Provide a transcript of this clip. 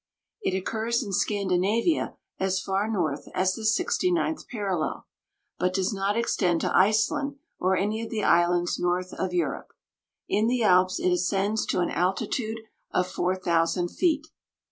It occurs in Scandinavia as far north as the 69th parallel, but does not extend to Iceland or any of the islands north of Europe. In the Alps it ascends to an altitude of four thousand feet.